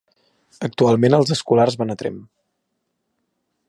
Actualment els escolars van a Tremp.